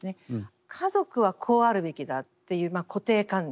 家族はこうあるべきだっていう固定観念